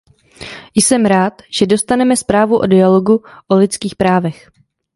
Jsem rád, že dostaneme zprávu o dialogu o lidských právech.